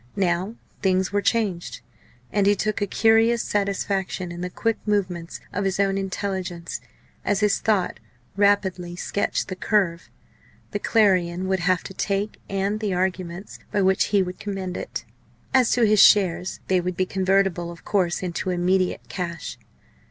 Now things were changed; and he took a curious satisfaction in the quick movements of his own intelligence, as his thought rapidly sketched the "curve" the Clarion would have to take, and the arguments by which he would commend it. As to his shares, they would be convertible of course into immediate cash.